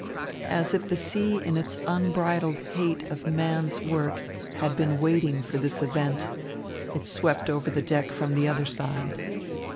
As if the sea in its unbridled hate of man's work had been waiting for this event, it swept over the deck from the other side.